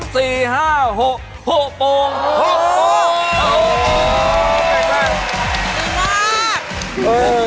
ดีมาก